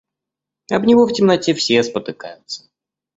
Об него в темноте все спотыкаются.